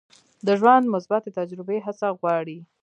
د ژوند مثبتې تجربې هڅه غواړي.